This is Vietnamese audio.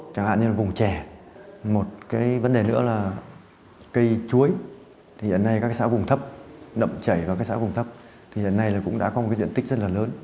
chẳng hạn như là vùng chè một cái vấn đề nữa là cây chuối thì hiện nay các xã vùng thấp nậm chảy vào các xã vùng thấp thì hiện nay là cũng đã có một cái diện tích rất là lớn